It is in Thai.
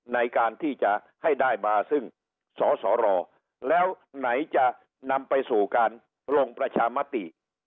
ในการที่จะให้ได้มาซึ่งสสรแล้วไหนจะนำไปสู่การลงประชามติ